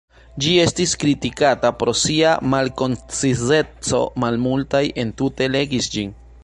Ĝi estis kritikata pro sia “malkoncizeco”, malmultaj entute legis ĝin.